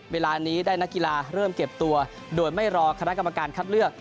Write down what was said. เวลานี้ได้นักกีฬาเริ่มเก็บตัวโดยไม่รอคณะกรรมการคัดเลือก